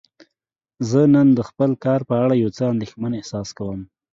زه نن د خپل کار په اړه یو څه اندیښمن احساس کوم.